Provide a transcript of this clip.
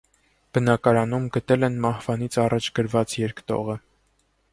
Բնակարանում գտել են մահվանից առաջ գրված երկտողը։